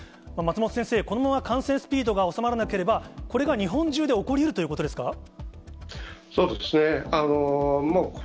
松本先生、このまま感染スピードが収まらなければ、これが日本中で起こりうるということですか。